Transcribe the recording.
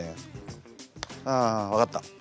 あ分かった。